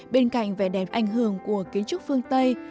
bên cạnh vẻ đẹp ảnh hưởng của kiến trúc phương tây